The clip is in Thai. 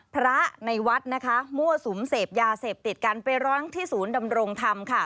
พระในวัดนะคะมั่วสุมเสพยาเสพติดกันไปร้องที่ศูนย์ดำรงธรรมค่ะ